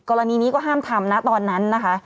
กรณีนี้ก็ห้ามทำนะตอนนั้นนะคะ